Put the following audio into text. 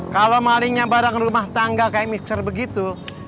kalo malingnya bareng rumah tangga kayak mixer begitu